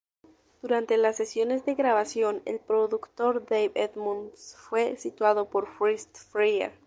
Durante las sesiones de grabación, el productor Dave Edmunds fue sustituido por Fritz Fryer.